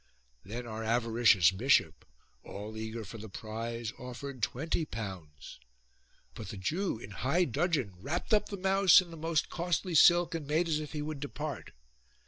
Then our avaricious bishop, all eager for the prize, offered twenty pounds. But the Jew in high dudgeon wrapped up the mouse in the most costly silk and made as if he would depart.